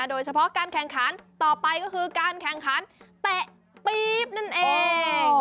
โดยเฉพาะการแข่งขันต่อไปก็คือการแข่งขันเตะปี๊บนั่นเอง